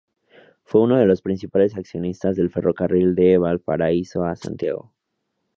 Fue uno de los principales accionistas del ferrocarril de Valparaíso a Santiago.